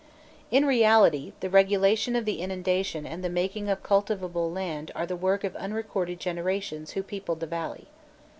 In reality, the regulation of the inundation and the making of cultivable land are the work of unrecorded generations who peopled the valley.